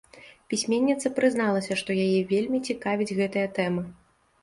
Пісьменніца прызналася, што яе вельмі цікавіць гэтая тэма.